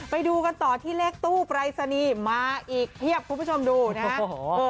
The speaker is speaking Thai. ไปดูกันต่อที่เลขตู้ปรายศนีย์มาอีกเพียบคุณผู้ชมดูนะฮะ